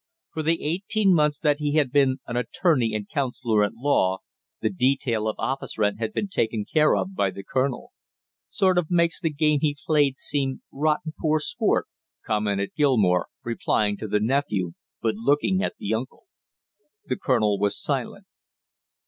For the eighteen months that he had been an "attorney and counselor at law" the detail of office rent had been taken care of by the colonel. "Sort of makes the game he played seem rotten poor sport," commented Gilmore, replying to the nephew but looking at the uncle. The colonel was silent.